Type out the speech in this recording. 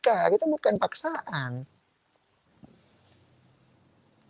aja ya ada kota almalya kalau kita mau sedekah sedekah kita bukan paksaan